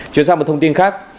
chuyển sang một thông tin khác